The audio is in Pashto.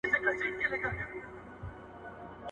• لېونى په خپل کار ښه پوهېږي.